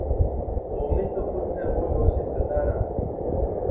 مومن تو خود ھے وہ روشن ستارا